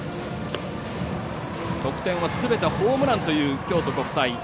得点はすべてホームランという京都国際。